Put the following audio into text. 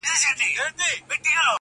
وڅڅوي اوښکي اور تر تلي کړي٫